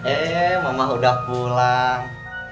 eh mama udah pulang